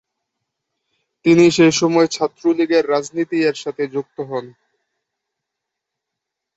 তিনি সেসময় ছাত্রলীগ এর রাজনীতি এর সাথে যুক্ত হন।